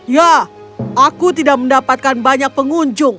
ya aku tidak mendapatkan banyak pengunjung